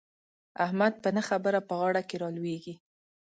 احمد په نه خبره په غاړه کې را لوېږي.